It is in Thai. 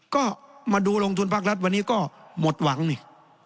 ก็มาดูลงทุนภาครัฐวันนี้ก็หมดหวังนี่